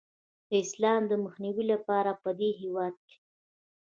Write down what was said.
د اسلام د مخنیوي لپاره پدې هیواد کې